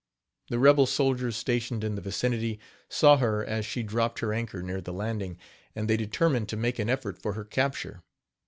The rebel soldiers stationed in the vicinity saw her as she dropped her anchor near the landing, and they determined to make an effort for her capture.